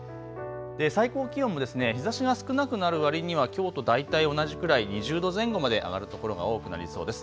最高気温も日ざしが少なくなるわりにはきょうと大体同じくらい、２０度前後まで上がる所が多くなりそうです。